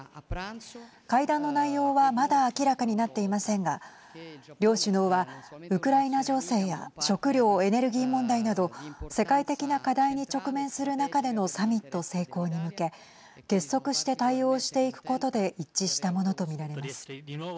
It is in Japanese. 会談の内容はまだ明らかになっていませんが両首脳は、ウクライナ情勢や食料・エネルギー問題など世界的な課題に直面する中でのサミット成功に向け結束して対応していくことで一致したものと見られます。